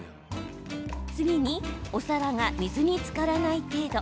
次に、お皿が水につからない程度